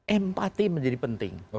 empati menjadi penting